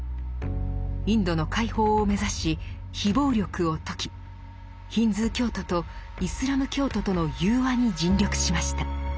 インドの解放を目指し非暴力を説きヒンズー教徒とイスラム教徒との融和に尽力しました。